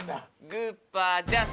グッパジャス。